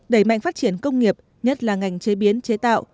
đẩy mạnh phát triển công nghiệp nhất là ngành chế biến chế tạo